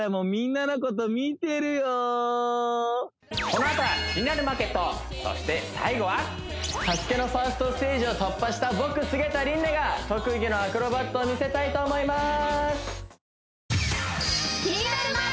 このあとは「キニナルマーケット」そして最後は「ＳＡＳＵＫＥ」の１ｓｔステージを突破した僕菅田琳寧が特技のアクロバットを見せたいと思います